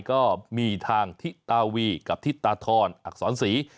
ก็มีทางทิตาวีกับทิศตาทรอักษรศรี